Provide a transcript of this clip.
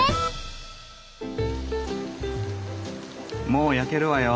もう焼けるわよ。